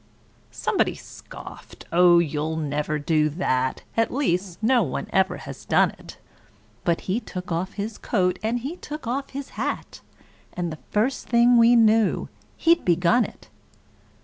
Somebody scoffed: "Oh, you'll never do that; At least no one ever has done it"; But he took off his coat and he took off his hat, And the first thing we knew he'd begun it.